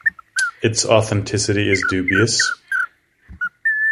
Its authenticity is dubious.